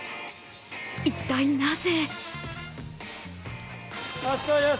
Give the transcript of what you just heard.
一体なぜ？